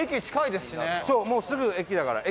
伊達：そう、すぐ駅だから。